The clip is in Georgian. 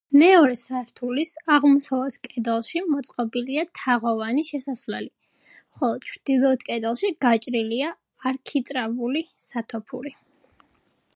მეორე სართულის აღმოსავლეთ კედელში მოწყობილია თაღოვანი შესასვლელი, ხოლო ჩრდილოეთ კედელში გაჭრილია არქიტრავული სათოფური.